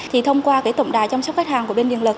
thì thông qua cái tổng đài chăm sóc khách hàng của bên điện lực